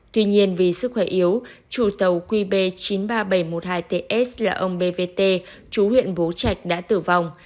tuy nhiên vì sức khỏe yếu chủ tàu qb chín trăm ba mươi bảy một mươi hai ts là ông bvt chủ huyện bố trẻ đã tử vong